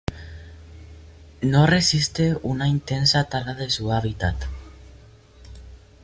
No resiste una intensa tala de su hábitat.